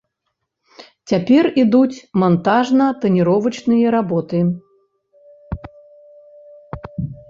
Цяпер ідуць мантажна-таніровачныя работы.